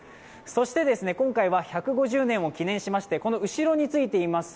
そして、今回は１５０年を記念しまして、この後ろについています